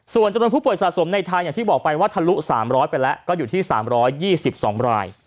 ส่วนจำนวนผู้ป่วยสะสมในไทยอย่างที่บอกไปว่าทะลุ๓๐๐ไปแล้วก็อยู่ที่๓๒๒ราย